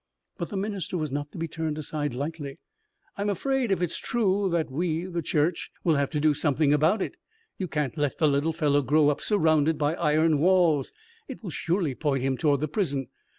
But the minister was not to be turned aside lightly. "I'm afraid, if it's true, that we the church will have to do something about it. You can't let the little fellow grow up surrounded by iron walls. It will surely point him toward the prison.